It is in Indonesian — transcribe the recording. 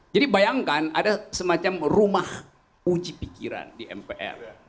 jadi bayangkan ada semacam rumah uji pikiran di mpr